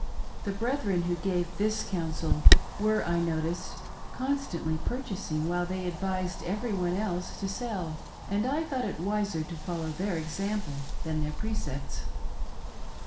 The brethren who gave this counsel were, I noticed, constantly purchasing while they advised every one else to sell, and I thought it wiser to follow their exampfe than their precepts.